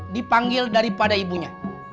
dipanggil daripada ibunya